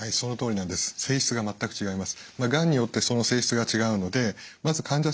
性質が全く違います。